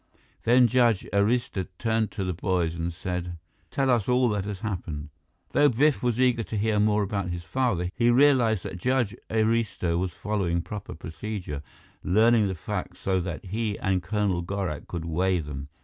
Then Judge Arista turned to the boys and said, "Tell us all that has happened." Though Biff was eager to hear more about his father, he realized that Judge Arista was following proper procedure learning the facts so that he and Colonel Gorak could weigh them.